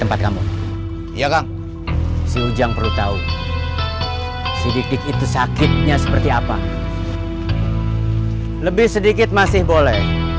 tempat kamu ya kang si ujang perlu tahu si dik itu sakitnya seperti apa lebih sedikit masih boleh